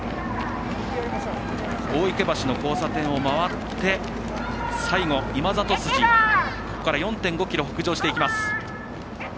大池橋の交差点を回って最後、今里筋、ここから４．５ｋｍ北上していきます。